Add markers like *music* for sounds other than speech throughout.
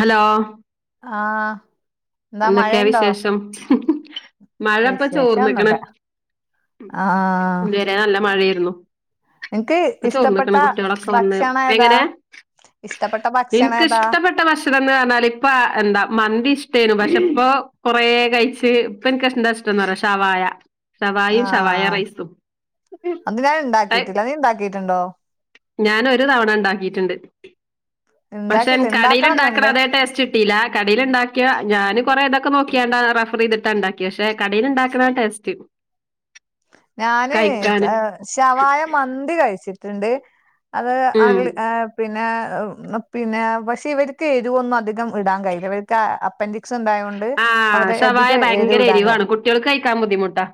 Hello ആഹ് എന്താ എന്തൊക്കെ മഴയുണ്ടോ വിശേഷം മഴപ്പൊ ചോർന്ന്ക്ക്ണ് വിശേഷൊന്നുല്ല ആഹ് ഇത് വരെ നല്ല മഴേയിര്ന്നു നിനക്ക് ഇപ്പം ഇഷ്ടപ്പെട്ട ചോർന്ന്ക്ക്ണ് കുട്ട്യാളൊക്കെ വന്ന് ഭക്ഷണം ഏതാ എങ്ങനെ ഇഷ്ടപ്പെട്ട ഭക്ഷണം ഏതാ ഇന്ക്കിഷ്ടപ്പെട്ട ഭക്ഷണം എന്ന് പറഞ്ഞാൽ ഇപ്പം എന്താ മന്തി ഇഷ് ട്ടേനു പക്ഷെ ഇപ്പൊ കൊറേ കഴിച്ച് ഇപ്പം എനിക്കെന്താഷ്ടാന്നറിയോ ഷവായ ഷവായിം ഷവായ ആഹ് റൈസും അത് ഞാൻ ഇണ്ടാക്കിട്ടില്ല നീ ഇണ്ടാക്കിട്ടുണ്ടോ ഞാനൊരു തവണണ്ടാക്കിട്ട്ണ്ട് പക്ഷെ ഇണ്ടാക്കിട്ട് കടേൽണ്ടാക്ക്ണ ഇണ്ടാക്കണംന്നുണ്ട് അതേ ടേസ്റ്റ് കിട്ടീല്ല കടേൽ ഉണ്ടാ ക്കിയ ഞാന് കൊറേ ഇതൊക്കെ നോക്കിയാണ്ടാ റഫർ ചെയ്തിട്ടാ ഇണ്ടാക്കിയേ പക്ഷെ കടേൽണ്ടാക്ക്ണ ടേസ്റ്റ് ഞാന് കഴിക്കാന് ഏഹ് ശവായ മന്തി കഴിച്ചിട്ട്ണ്ട് അത് ഉം *unintelligible* ഏഹ് പിന്നെ എഹ് പിന്നെ പക്ഷെ ഇവര്ക്ക് എരുവൊന്നും അധികം വിടാൻ കഴില്ല ഇവർക്ക് അപ്പെൻ്റിക്സ് ഉണ്ടായോ ആഹ് ശവായ ഭയങ്കര എരിവാണ് കുട്ടികൾക്ക് കഴിക്കാൻ ബുദ്ധിമുട്ടാ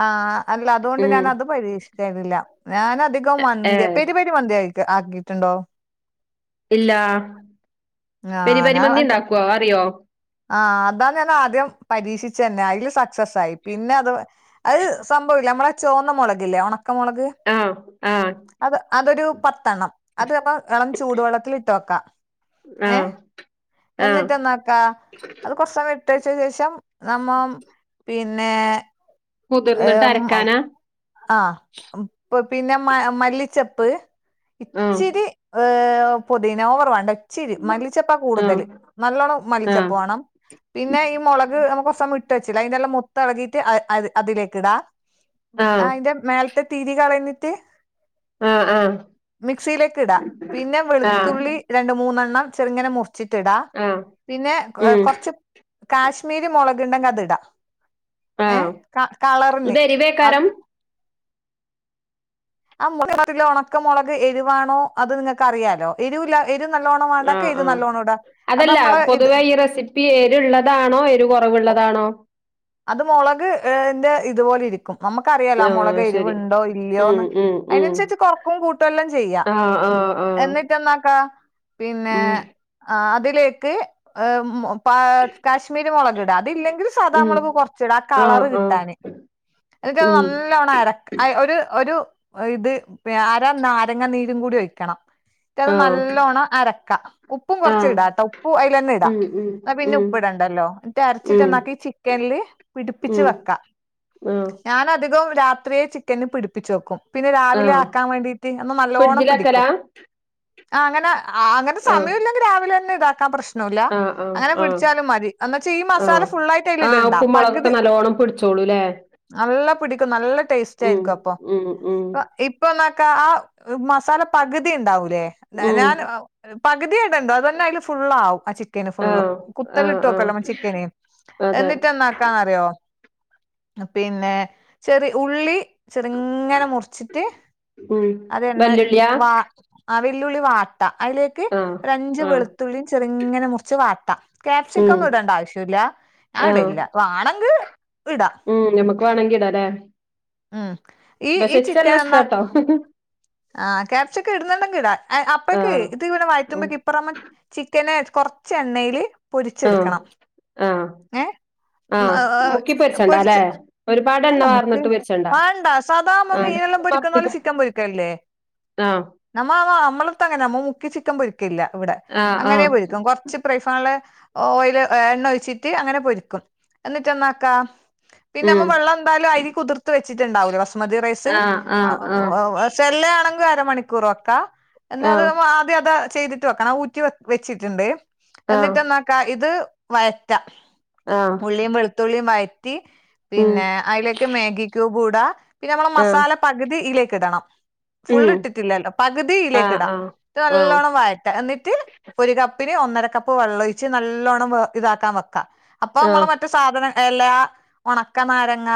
ആഹ് അല്ല അതുകൊണ്ട് ഉം ഞാന് അത് പരീക്ഷിക്കൽല്ല ഞാന് അധികം മന്ത്യാ ഏഹ് പെരിപെ രി മന്തി ആക്കിട്ട്ണ്ടോ ഇല്ല ആഹ് ഞാൻ പെരിപെരിമന്തി അൻക്ക് ഇണ്ടാക്കോ അറിയോ ആഹ് അതാ ഞാൻ ആദ്യം പരീക്ഷിച്ചെന്നെ അയിൽ സക്സസായി പിന്നെ അത് അത് സംഭവില്ലേ നമ്മളെ ചോന്ന മൊളകില്ലേ ഒണക്കമൊളക് ആഹ് ആഹ് അത് അതൊരു പത്തെണ്ണം അത് അപ്പം എളം ചൂടുവെള്ളത്തിൽ ഇട്ട് വെക്കാ ആഹ് ഏഹ് ആഹ് എന്നിട്ട് എന്നാക്കാ അത് കെറച്ച് അ ഇട്ടെച്ചശേഷം നമ്മ പിന്നെ കുതിർന്നിട്ട് ഏഹ് അരക്കാനാ ആഹ് പിന്നെ മ മല്ലിച്ചെപ്പ് ആഹ് ഇച്ചിരി ഏഹ് പൊതീന ഓവർ വേണ്ട ഇച്ചിരി മല്ലിച്ചെപ്പാ ആഹ് കൂടുതല് നല്ലോണം ആഹ് മല്ലിച്ചെപ്പ് വാണം പിന്നെ ഈ മുളക് നമുക്ക്കൊർചൊന്നിട്ട് വെച്ചില്ലേ ആയ്ൻ്റെല്ലാ മൊത്തളകീട്ട് അഹ് അത് അതിലേക്ക് ഇടാം ആ ആഹ് അതിന്റെ മേലത്തെ തിരി കളഞ്ഞിട്ട് ആഹ് ആഹ് മിക്സിയിലേക്ക് ഇടാ പിന്നെ ആഹ് വെളുത്തുള്ളി രണ്ട് മൂന്നണ്ണം ചെറ്ങ്ങനെ മുറ്ച്ചിട്ട്ടാം ആഹ് പിന്നെ ഏഹ് ഉം കൊറ്ച്ച് കാശ്മീരി മൊളക്‌ണ്ടെങ്കി അത് ഇടാ ഓഹ് ഏഹ് ക കളറിന് അ ഇതെരിവേക്കാരം ആ മുട്ട ഉണക്കമ മുളക് എരുവാണോ അത്ങ്ങക്ക് അറിയാലോ എരിവൂല്ല എരി നല്ലോണം വാണ്ടോർക്ക് ആഹ് എരി ആഹ് നല്ലോണം ഇടാ അത് നമ്മള് ഇത് ഇപ്പീ ഏരുള്ളതാണോ ഏരു കൊറവ്ള്ളതാണോ അത് മുളക് ന്റെ ഇതുപോലെ ഇരിക്കും ക്കും നമ്മക്കറിയാലോ ആ മുളക് ആഹ് ശരി എരിവുണ്ടോ ഉം ഇല്ലോന്ന് ഉം ഉം അയ്നന്സരിച്ച് കൊറക്കും കൂട്ടും എല്ലാം ചെയ്യാ ആഹ് ആഹ് ആഹ് പ്പം എന്നാക്ക പിന്നെ ഉം ആ അതിലേക്ക് ഉം പാ കാശ്മീരി മൊളകിടാ അതില്ലെങ്കിൽ ഉം സാദാമുളക് ച്ച്ടാ ആ ആഹ് കളറ് ആഹ് കിട്ടാന് ഇന്നട്ടത് ഉം നല്ലോണം അരക്ക ഒരു ഒരു ഇത് ഏഹ് അര നാരങ്ങ നീരും കൂടി ഒയ്ക്കണം. മറ്റത് ആഹ് നല്ലോണ്ണം അരക്ക ഉപ്പും കൊറച്ച് ആഹ് ഇടാട്ടോ ഉപ്പും അയ്ലെന്നേ ഇടാ. ഉം ഉം ന്നാ പിന്നെ ഉം ഉപ്പിടണ്ടല്ലോ എന്നിട്ട് അരച്ചിട്ട് ഉം എന്നാക്കി ചിക്കൻല്. ടിപ്പിച്ച് ഉം വെക്ക ആഹ് ഞാൻ അധികം രാത്രിയെ ചിക്കന് പിടിപ്പിച്ചു വെക്കും. പിന്നെ രാവിലെ ആഹ് ആക്കാൻ വേണ്ടീട്ട് അന്ന് നല്ലോണ്ണം പിടിക്കും ഫ്രിഡ്ജിലെക്കലാ ആഹ് അങ്ങനെ ആഹ് അങ്ങനെ ആഹ് സമയ ഇല്ലെങ്കിൽ രാവിലെ തന്നെ ഇതാക്കാ പ്രശ് ന്നുല്ല ആഹ് ആഹ് അങ്ങനെ ആഹ് പിടിച്ചാലും മതി ന്നു വെച്ചാ ഈ മസാല ഫുള്ളായിട്ട് അയിൽ ഇട്ണ്ടാ. മുളകൊക്കെ നല്ലോണം പിടിച്ചോളൂലേ. നല്ല പിടിക്കും നല്ല ടേസ്റ്റ് ആയിരിക്കും അപ്പൊ ഉം ഉം അപ്പൊ ഈ ഇപ്പൊന്നോക്ക ആഹ് മസാല പകുതി ഇണ്ടാവൂലേ ഉം ഞാൻ പകുതിയിടുണ്ടോ അത് തന്നെ അതില് ഫുള്ളാവും ആ ചിക്കന് ഫുള്ളും ആഹ് കുക്കർല് ആഹ് ഇട്ട് ആഹ് വെക്കല്ലോ നമ്മ ചിക്കന് അതെ റ്റന്നാക്കാൻ അറിയോ. പിന്നെ ചെറി ഉള്ളി ചെറിങ്ങനെ മുറിച്ചിട്ട് ഉം അത് എണ്ണ വല്യുള്ളിയാ വാ ആഹ്. വെല്ലുളി വാട്ട അയിലേക്ക് ആഹ് ഒര് അഞ്ച് ആഹ് വെളുത്തുള്ളിയും ചെറിങ്ങനെ മുറിച്ച് വാട്ടാ ഉം ക്യാപ്സിക്കന്നും ഇടേണ്ട ആവശ്യല്ല ഞൻ ആഹ് ഇടല്ല്ല വാണെങ്കി ഇട. ഉം നമക്ക് വേണെങ്കി ഇടലേ. ഉം ഈ ഈ ചിക്കൻ എന്നാ ഇഷ്ടാട്ടോ ആഹ് ക്യാപ്സിക്കം ഇടുന്നുണ്ടെങ്കിൽ ഇടാ അപ്പയ്ക്ക്‌ ആഹ് ഇത് ഇവടെ ഉം വയറ്റുബക്ക് ഇപ്പുറം ചിക്കന് കുറച്ച് എണ്ണയില് ആഹ് പൊരിച്ചെടുക്കണം ആഹ് ഏ ആഹ് ഹ് മുക്കി ഹ് പൊരിച്ചണ്ട അല്ലെ പൊരിച്ച് ഒരുപാട് എണ്ണ അല്ല മുക്കി വാർന്നിട്ട് പൊരിച്ചണ്ട വാണ്ടാ സാദാ മ്മ ആഹ് മീനെല്ലാം പൊരിക്കുന്നോലെ ചിക്കൻ പൊരിക്കല് ല്ലേ ആഹ് നമ്മ നമ്മളടുത്ത് അങ്ങനെ നമ്മ നമ്മള്ടെ അടുത്ത് അങ്ങനെയാ മുക്കി ചിക്കൻ പൊരിക്കില്ല ഇവിടെ ആഹ് ആഹ് അങ്ങനെ ആഹ് പൊരിക്കും കൊ ച്ച് ഫ്രൈപാനില് ഓയില് എണ്ണ ഒഴിച്ചിട്ട് അങ്ങനെ പൊരിക്കും. അന്നിട്ട് എന്നാക്കാ പിന്നെ നമ്മൾ ഉം വെള്ളം എന്തായാലും അരി കുതിർത്ത് വെച്ചിട്ടുണ്ടാവൂലേ ബസ്മതി റൈസ് ആഹ് ആഹ് ആഹ് സെല്ല ആണെങ്കിൽ അരമണിക്കൂർ വെക്കാ എന്ന അത് ആഹ് ആദ്യം അത് ചെയ്തി ഊറ്റി വെക്കണം ഊറ്റി വെച്ചിട്ടുണ്ട് ആഹ് എന്നിട്ടന്നക്കാ ഇത് വയറ്റാ ആഹ് ള്ളിയും വെളുത്തള്ളിയും വയറ്റി ഉം പിന്നെ അയിലേക്ക് മാഗി ക്യൂബുടാ പിന്നെ നമ്മളെ ആഹ് മസാല പകുതി ഇലേക്ക് ഇടണം ഫുള്ള് ഉം ഇട്ടിട്ടില്ലല്ലോ പകുതി ഇയിലേക്ക് ആഹ് ഇടാ ആഹ് ന്നട്ട് ആഹ് നല്ലോണ്ണം വയ എന്നിട്ട് ഒരു കപ്പിന് ഒന്നര കപ്പ് വെള്ളൊഴിച്ച് നല്ലോണ്ണം ഇതാക്കാൻ വെക്കാ. അപ്പൊ ആഹ് നമ്മള് മറ്റു സാധന എല്ലാ ഒണക്കനാരങ്ങ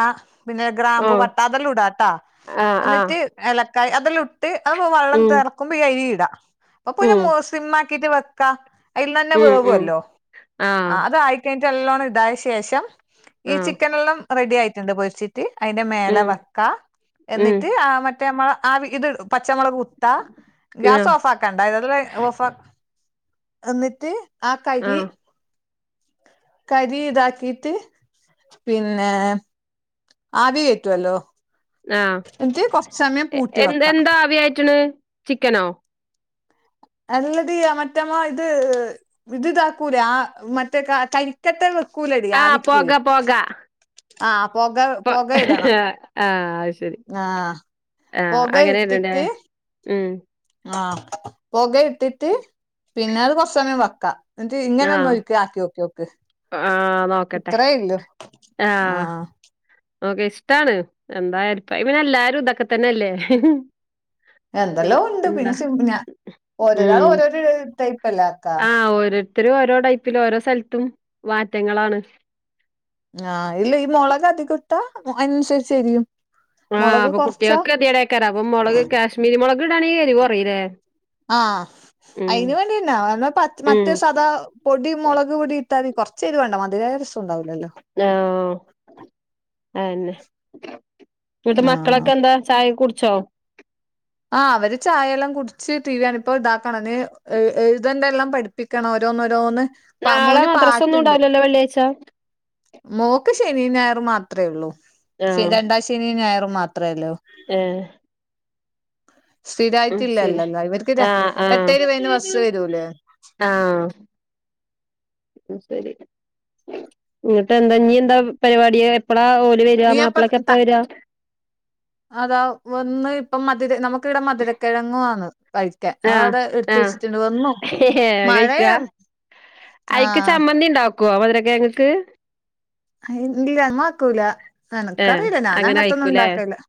പിന്നെ ഗ്രാമ്പൂ ആഹ് പട്ട അതെല്ലു ഇടാട്ടാ ആഹ് ആഹ് എന്നിട്ട് ഏലക്കായ അതെല്ലു ട്ട് അത് വെള്ളം ഉം തിറക്കുമ്പോ ഈ അരി ഇടാ അപ്പൊന്നെ ഉം മോ സിമാക്കിട്ട് വെക്കാ അയിൽന്നഞ്ഞെ ഉം ഉം വേവുല്ലോ ആഹ് അത് ആയി കഴിഞ്ഞിട്ട് നല്ലോണം ഇതായ ശേഷം ഈ ആഹ് ചിക്കനെല്ലാം റെഡി ആയിട്ടുണ്ട് പൊരിച് ട്ട് അതിന്റെ മേലെ ഉം വെക്കാ ഉം എന്നിട്ട് ആഹ് മറ്റേ മ്മളെ ആഹ് ഇത് പച്ചമുളക് ത്ത ഗ്യാസ് ആഹ് ഓഫ് ആക്കണ്ട ഇതെല്ലാം ഓഫ എന്നിട്ട് ആഹ് കരി. കരി ഇതാക്കിട്ട് പിന്നെ ആവി കേറ്റുവല്ലോ. ആഹ് പൂട്ടി എ വെക്കാം എന്താ അവിയയിറ്റ്ണ് ചിക്കനോ. അല്ലടി ആഹ് മറ്റമ്മ ഇത് ഇത് താക്കൂലെ ആഹ് മറ്റേ കരിക്കട്ട വെക്കൂലടി ആഹ് ആവിക്ക് പോക പോക ആഹ് പൊക പൊക ഇടണം. ആഹ് അത് ശരി ആ ആഹ് പൊക അങ്ങനെണ്ലേ ഇട്ടിട്ട് ഉം. ആഹ് പൊക ഇട്ടിട്ട് പിന്നെ അത് കൊറച്ച് സമയം വെക്കാ. ന്ന്ട്ട് ഇങ്ങനെ ഒന്നാെര്ക്കെ ആക്ക്യോക്ക്യോക്ക് അഹ് ആഹ് നോക്കട്ടെ ആഹ് ഓക്കെ ഇഷ്ടാണ് എന്താ അരിപായ് എല്ലാരും ഇതൊക്കെ തന്നെല്ലേ എന്തെല്ലോ ഉണ്ട് പിന്നെ സിമ്പ് ഞാൻഓരോ രാൾ ഓരോ ടൈപ്പ്ല്ലാം ആക്കാ ആഹ ഓരോത്തരും ഓരോ ടൈപ്പിലും ഓരോ സ്ഥലത്തും മാറ്റങ്ങളാണ് ആഹ് ഇല് ഈ മുളക് അധികട്ടാ അതിനനുസരിച്ച് എരിയും. ആഹ് മുളക് അപ്പൊ കൊറച്ചാ കുട്ടികൾക്കെ കെതിയേടെക്കാരം അപ്പൊ മുളക് കാശ്മീരി മുളക് ഇടാണെ എരിവ് കൊറിലേ ആഹ് അയ്ന് വേണ്ടിന്നാ *unintelligible* ഉം മറ്റേ സദാ പൊടി മൊളക് പൊടി ഇട്ടാതി കാെർച്ചെരിവാണ്ടേ മധ്‌രായാ രസൂണ്ടാവുലല്ലോ ആഹ് അതെന്നെ ഇങ്ങട്ട് ആഹ് മക്കളൊക്കെ എന്താ ചായ കുടിച്ചോ? ആഹ് അവര് ചായയെല്ലാം കുട്ച്ച് ടീവ്യാണ ഇപ്പോ ഇതാക്കണം ഞ്ഞ് എ എഴ്തെണ്ടെല്ലാം പഠ് ട്‌പ്പിക്കണം ഓരോന്ന് ഓരോന്ന് പ മോന് പ്പാട്ട്ണ്ട് ത്ത വെ‌ള്ള്യായ്ച്ചാ മോക്ക് ശനി, ഞായർ മാത്രമേ ഉള്ളൂ! ശെ രണ്ടാം ശനി, ഞായർ മാത്രേള്ളൂ. ഏഹേ വിൾച്ചീനി സ്ഥിരായിട്ടില്ലല്ലല്ലോ ഇവർക്ക് ആ എട്ടേ ആഹ രൂപേന് ബസ്സ് വരൂലേ ആ ഉം സെരി ഇങ്ങട്ട് എന്താ ഇഞ്ഞി എന്താ പരിപാടിയേ എപ്പഴാ ഓല് വരാ നീ അപ്പ മാപ്പിളൊക്കെ താ എപ്പളാ വരാ അതാ വന്ന് ഇപ്പം മതിര് നമുക്ക് മ്മക്ക്ടെ മധുരക്കിഴങ്ങു ആന്ന് കഴിക്കാൻ അടെ എടുത്ത് വെച്ചിട്ടുണ്ട് വന്നോ ഏഹ് അത് കഴ്ക്കാ ആഹ് ഗോവ വരകാ ങ്ങക്ക് ഇല്യയ ഇമ്മാക്കൂല ഏഹ് എനക്കറിയൂല ഞാൻ അങ്ങനെ അങ്ങത്തൊന്നും കഴിക്കൂലേ ഉണ്ടാക്കൂലാ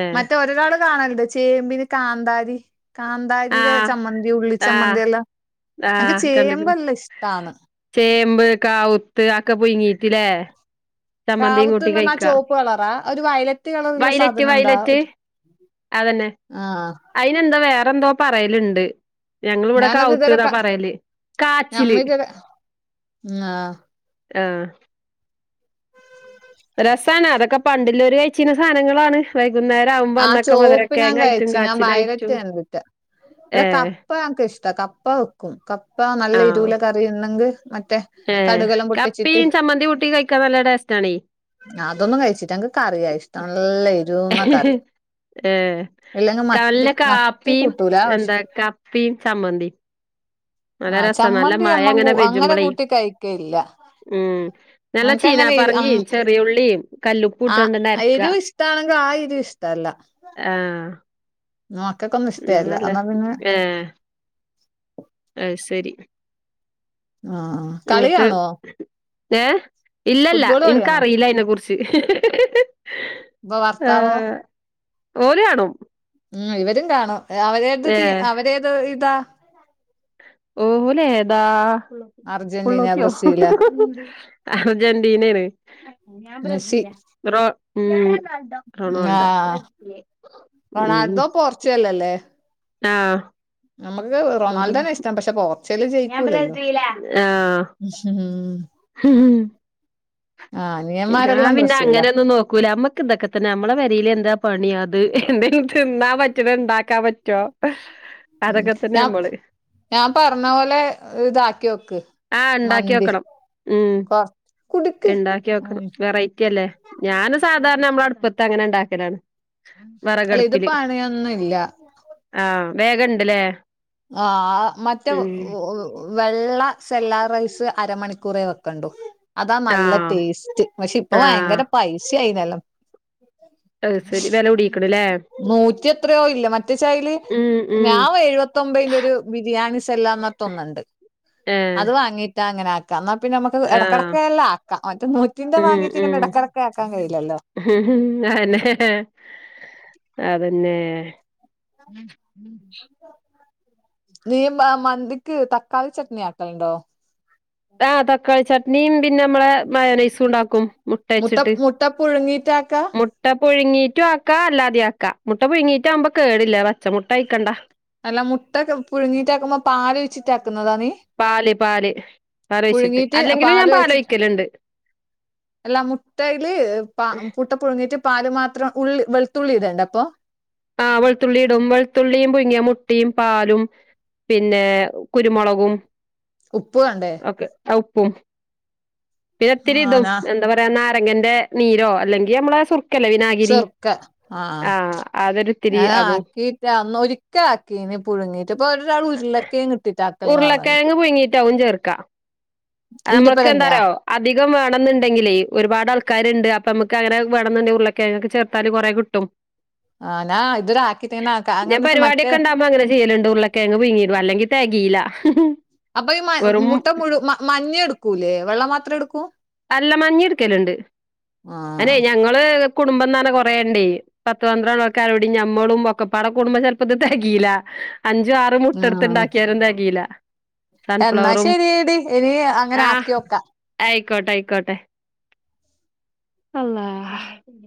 ഏഹ് മറ്റേ ഒര്തവ്ടെ കാണല്ണ്ടാേ ചേമ്പ്ന് കാന്താരി കാന്താരിടെ ആഹ് ചമ്മന്തി ഉള്ളി ആഹ് ചമ്മന്തിയെല്ലാം അൻക്ക് ആഹ് ചേമ്പ് കണ്ട്ക്ക്ണ് നല്ല ഇഷ്ട്ടാന്ന് ചേമ്പ് കാവുത്ത് അക്കെ പുയ്ങ്ങീറ്റ് ലേ കാവുത്ത്ന്നാർഞ്ഞാ ആ ചാേപ്പ് കളറാ ഒര് വയലറ്റ് കളറ്ള്ള സാധനെന്താ ഒരു അതന്നേ ആഹ് അയ്നെന്താ വേറെന്തോ പറയല്ണ്ട് ഞങ്ങള്വ്ടെ ഞാനത് ഇതുവരെ കാവുത്ത്ന്നാ ക പറയല് കാച്ചില് നമ്മ ഇതുവരെ ആഹ് ആഹ് രസാണ് അതൊക്കെ പണ്ട്ല്ലോര് കഴിച്ചീന്നെ സാനങ്ങളാണ് വൈകുന്നേരം ആവുമ്പോ ആ അന്നൊക്കെ ചോപ്പ് ഞാൻ മധുരകേങ്ങായിറ്റും കഴിച്ച് ഞാൻ വയലറ്റ് കാച്ചിലായിറ്റും കണ്ടിട്ട് ഇവിടെ കപ്പ എനിഇഷ്ട കപ്പ വെക്കും. കപ്പ നല്ല ആഹ് എരൂള കറിയിണ്ടെങ്കിൽ മറ്റേ ഏഹ് കടുകെല്ലാം പൊട്ടിച്ചിട്ട് കപ്പിം ചമ്മന്തിം കുട്ടി കഴിക്കാൻ നല്ല ടേസ്റ്റാണെ അതൊന്ന് കഴിച്ചിട്ട എക്ക് കറിയാ ഇഷ്ട്ടം നല്ല എരൂന്നകറി ഏ നല്ല മത്തി കാപ്പിം കൂട്ടൂല പക്ഷെ എന്താ കപ്പിം ചമ്മന്തിം നല്ലെ ആഹ് രസ, നല്ല ചമ്മന്തി മഴ അമ്മ എങ്ങനെ കൂ- അങ്ങനെ പെജുമ്പളേ കൂട്ടി കഴിക്കലില്ല ഉം നല്ല ഞങ്ങക്ക് ചീനാ അങ്ങനെ എരു പർങ്ങിം ചെറിയുള്ളിം കല്ലുപ്പ്ട്ടാണ്ടര് എരു ഇഷ്ട്ടാണെങ്കി ആ എരു ഇഷ്ട്ട അല്ല ആഹ നോക്കൊക്കെന്നും ഇഷ്ടയെല്ല എന്നാ പിന്നെ ഏഹ് അയ്സെരി ആഹാ ങ്ങട്ട് ഏഹ് ഇല്ലല്ലാ ഫുട്ബോൾ കളിയാണോ ഇൻക്കറീല്ല അയ്‌നെ കുറ് ച്ച് ഇപ്പൊ ഭർത്താവോ ആഹ് ഓല് കാണും ഉം ഇവരും കാണും അവരത് ഏ തീ അവരേത് ഇതാ ഓല് ഏതാ? അർജന്റീന പുള്ളോത്തി ബ്രസീല് അർജന്റീനേണ് ഞാൻ മെസ്സി ബ്റസീൽ. റെണാ മ് ആ റൊണാൾഡോ മെസ്സി മ് റൊണാൾഡോ പോർച്ചുഗൽ അല്ലേ ആഹ്. നമുക്ക് ഓല് റൊണാൾഡോനെ ഇഷ്ടം പക്ഷെ പോർച്ചുകല് ജയിക്കൂല്ലല്ലോ. ഇശ്വരാ ഹ് ഹ്. ഞാൻ അനിയന്മാരെല്ലാം പിന്നെ ബ്രസീലാ അങ്ങനൊന്നും നോക്കൂല ഞമ്മ ഇതക്കത്തന്നെ നമ്മളെ പെരീൽ എന്താ പണി അത് എന്തെങ്കിലും തിന്നാൻ പറ്റ്ണ ഇണ്ടാക്കാൻ പറ്റോ. അതൊക്കെ തന്നെ ഞാം നമ്മള് ഞാം പറഞ്ഞ പോലെ ഇതാക്കി ഓക്ക്. ആഹ് ഇണ്ടാക്കിഓക്കണം ഉം കുടുക്ക് ഇണ്ടാക്കിഓക്കണം ഉം വെറൈറ്റി അല്ലേ. ഞാന് സാധാരണ നമ്മള അടുപ്പത്ത് അങ്ങനെണ്ടാക്കലാണ്. അല്ല ഇത് വെറകടുപ്പില് പണിയൊന്നും ഇല്ല ആഹ് വേഗണ്ട്ല്ലേ. ആഹ് മറ്റേ ഒ ഉം ഓ വെള്ള സെല്ലാറൈസ് അരമണിക്കൂറെ വെക്കണ്ടു. അതാ നല്ല ആഹ് ടേസ്റ്റ് പക്ഷെ ഇപ്പൊ ആഹ് ഭയങ്കര പൈസ ആയിനല്ലാം. അത് ശരി വെല കൂടിക്ക്ണ്ല്ലേ നൂറ്റി എത്രയോ ഇല്ല മറ്റേ ചായല് ഉം ഉം ഞാൻ എഴുപത്തി ത്തൊമ്പതിന്റ ഒരു ബിരിയാണി സെല്ലാംന്നത്തൊന്നുണ്ട് ഏഹ് അത് വാങ്ങീട്ടാ അങ്ങനെ. എന്നാ പിന്നെ നമുക്ക് ആഹ് ഇടക്കിടക്കെല്ല ആക്കാം മറ്റ മറ്റിന്റെ വാങ്ങീട്ട് ഇങ്ങനെ ഇടക്കിടക്ക് ആക്കാൻ കഴയില്ലല്ലോ. ഉ ഹും അന്നെ അതന്നെ. നീ മ മന്തിക്ക് തക്കാളി ചട്നി ആക്കലുണ്ടോ? ആഹ് തക്കാളി ചട്ട് നീയും പിന്നെ മ്മളെ മയോനൈസും ഉണ്ടാക്കും മുട്ട മുട്ടവച്ചിട്ട് മുട്ട പുഴുങ്ങിട്ടാക്കാ മു മുട്ട പുഴുങ്ങീട്ടും ആക്ക അല്ലാതെ ആക്ക മുട്ട പുഴുങ്ങീട്ടാവുമ്പോ കേടില്ല പച്ച മുട്ട അയിക്കണ്ട. അല്ല മുട്ടക്കെ പുഴുങ്ങിട്ടാക്കുമ്പോ പാൽഒഴിച്ചിട്ട ആക്കുന്നതാ നീ പാല്, പാല്, പാല് വെച്ചിട്ട് അല്ലെങ്കിലും ഞാൻ പാല് ഒഴിക്കലുണ്ട്. അല്ലാ മുട്ടയില് പാ മുട്ട പുഴുങ്ങിയിട്ട് പാല് മാത്രം ഉള്ളി വെളുത്തുള്ളി ഇടണ്ടെ അപ്പൊ. ആഹ് വെളുത്തുള്ളി ഇടും വെളുത്തുള്ളിയും പുങ്ങിയ മുട്ടിയും പാലും. പിന്നെ കുരുമുളകും. ഉപ്പ് വാണ്ടേ? ആ ഉപ്പും പിന്നെ തിരി ആഹ് തും നാ എന്ത പറ ദേ നാരങ്ങന്റെ നീരോ അല്ലെങ്കിൽ നമ്മളെ സുർക്കല്ലെ വിനാഗിരി ചെറുക്ക ആഹ്. അതെരു ത്തി ഞ ആക്കിട്ട് അന്ന് ഒരിക്ക ആക്കീന് പുഴുങ്ങീട്ട് ഇപ്പൊ ഒരാൾ ഉരുലൊക്കെയും കിട്ടിയിട്ട് ആക്കലാന്ന് *unintelligible* പുയ്ങ്ങീട്ടാകും ചേർക്ക നമ്മൾക്ക് ഈന്റെപ്പരം തന്നെയാ എന്താറോ. അധികം വേണന്നുണ്ടെങ്കിലേ ഒരുപാട് ആൾക്കാര്ണ്ട് അപ്പൊ നമുക്ക് അങ്ങനെ വേണെന്നുണ്ടെങ്കിലേക്കെ ഉരുളകിഴങ്ങ് ചേർത്താല് കെറേകിട്ടും. ആഹ് ഞാ ഇതുരെ ആക്കിട്ടന്നെ ആക്ക അങ്ങനന്താച്ച മറ്റേ കറീലുണ്ട് ഉര്ളക്കിഴങ്ങ് പിയ്ങ്ങിടും അല്ലെങ്കി തെകീല്ല. അപ്പൊ ഈ മ മുട്ട പുഴു മ മഞ്ഞ എടുക്കൂല്ലേ വെള്ള മാത്രേ എടുക്കൂ. അല്ല മഞ്ഞ ഇട്ക്കലുണ്ട് അതേ ആഹ് ഞങ്ങള് കുടുംബം ന്നറിഞ കെറേണ്ട്. പത്ത് പന്ത്രോളം ഒക്കെ ആരോടിം ഞമ്മളും ഒക്കപ്പാടെ കൂടുമ്പോ ചെല്പ്പ്പത് തെകീല്ല അഞ്ചു, ആ ആഹ് മുട്ടടുത്ത്ണ്ടാക്കിയാലും തെകീല. എന്നാ സൺഫ്ലവറും ശരിയടി ഇനി അങ്ങനെ ആഹ് ആക്കി വോക്കാം. ആയിക്കോട്ടെ ആയിക്കോട്ടെ അള്ളാഹ്.